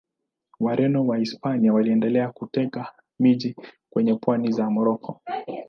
Wareno wa Wahispania waliendelea kuteka miji kwenye pwani za Moroko.